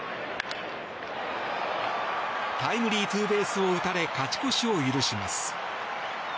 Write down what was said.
タイムリーツーベースを打たれ勝ち越しを許します。